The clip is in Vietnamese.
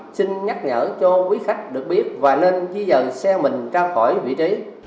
xin nhắc nhở cho quý khách được biết và nên di dời xe mình ra khỏi vị trí